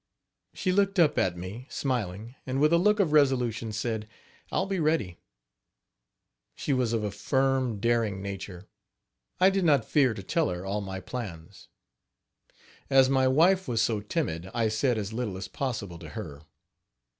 " She looked up at me, smiling, and with a look of resolution, said: "I'll be ready." She was of a firm, daring nature I did not fear to tell her all my plans. As my wife was so timid, I said as little as possible to her.